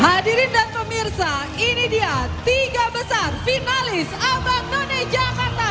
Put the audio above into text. hadirin dan pemirsa ini dia tiga besar finalis abang none jakarta dua ribu dua puluh dua